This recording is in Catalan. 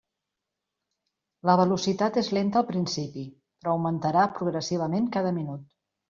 La velocitat és lenta al principi, però augmentarà progressivament cada minut.